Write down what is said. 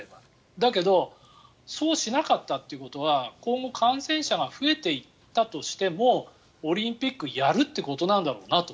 だけどそうしなかったということは今後、感染者が増えていったとしてもオリンピックをやるってことなんだろうなと。